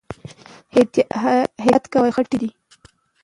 احتياط کوه، خټې دي